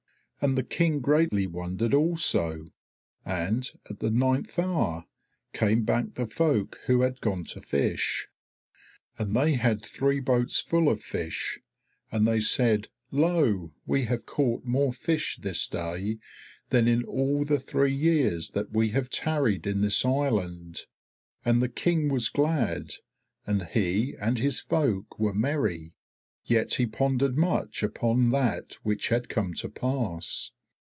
And the King greatly wondered also. And at the ninth hour came back the folk who had gone to fish. And they had three boats full of fish, and they said, 'Lo, we have caught more fish this day than in all the three years that we have tarried in this island.' And the King was glad, and he and his folk were merry; yet he pondered much upon that which had come to pass.